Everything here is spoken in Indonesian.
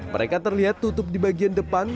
mereka terlihat tutup di bagian depan